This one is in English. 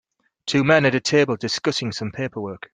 Two men at a table discussing some paperwork.